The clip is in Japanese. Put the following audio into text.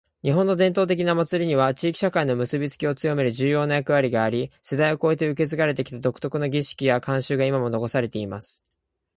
•「日本の伝統的な祭りには、地域社会の結びつきを強める重要な役割があり、世代を超えて受け継がれてきた独特の儀式や慣習が今も残されています。」